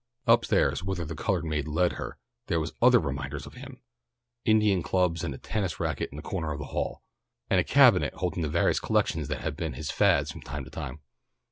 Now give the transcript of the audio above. Up stairs whither the coloured maid led her, there were other reminders of him: Indian clubs and a tennis racquet in a corner of the hall, and a cabinet holding the various collections that had been his fads from time to time.